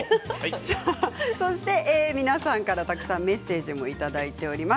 そして皆さんからたくさんメッセージをいただいております。